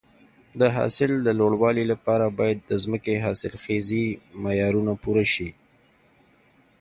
د حاصل د لوړوالي لپاره باید د ځمکې حاصلخیزي معیارونه پوره شي.